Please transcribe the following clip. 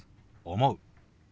「思う」。